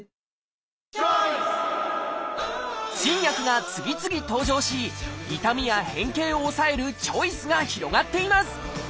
新薬が次々登場し痛みや変形を抑えるチョイスが広がっています。